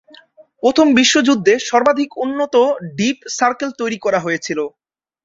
প্রথম বিশ্বযুদ্ধে সর্বাধিক উন্নত ডিপ সার্কেল তৈরি করা হয়েছিল।